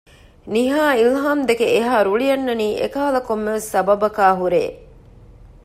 ނިހާ އިލްހާމްދެކެ އެހާ ރުޅި އަންނަނީ އެކަހަލަ ކޮންމެވެސް ސަބަބަކާ ހުރޭ